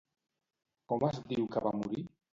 Com es diu que va morir?